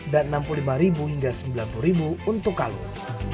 dan rp enam puluh lima rp sembilan puluh untuk kalung